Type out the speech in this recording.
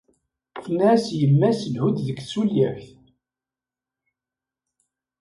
Tenna-as yemma-s lhu-d d tsulya-k